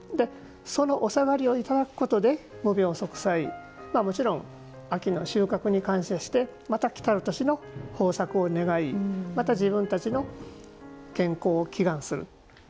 そのお下がりをいただくことで無病息災、もちろん秋の収穫に感謝してまた、来たる年の豊作を願いまた自分たちの健康を祈願する。